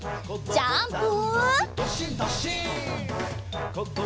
ジャンプ！